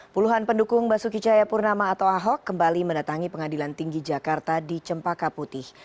puluhan pendukung basuki cahayapurnama atau ahok kembali mendatangi pengadilan tinggi jakarta di cempaka putih